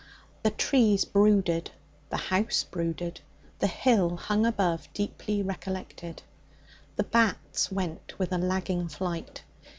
The trees brooded; the house brooded; the hill hung above, deeply recollected; the bats went with a lagging flight.